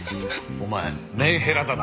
お前メンヘラだな。